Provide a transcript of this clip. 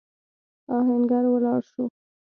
آهنګر ولاړ شو.